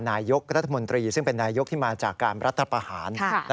นายกรัฐมนตรีซึ่งเป็นนายกที่มาจากการรัฐประหาร